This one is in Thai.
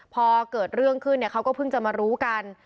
พอเกิดเรื่องขึ้นเขาก็เพิ่งจะมารู้กัน